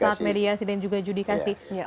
pada saat mediasi dan juga adjudikasi